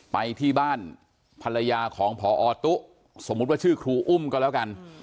ไปที่บ้านภรรยาของพอตุ๊สมมุติว่าชื่อครูอุ้มก็แล้วกัน